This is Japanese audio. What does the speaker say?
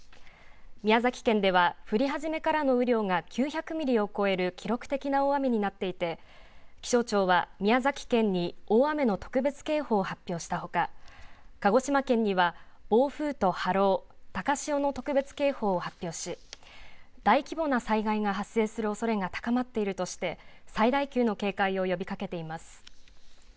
宮崎県では、降りはじめからの雨量が９００ミリを超える記録的な大雨になっていて、気象庁は宮崎県に大雨の特別警報を発表したほか、鹿児島県には、暴風と波浪、高潮の特別警報を発表し、大規模な災害が発生するおそれが高まっているとして、最大級の警戒を呼びかけています。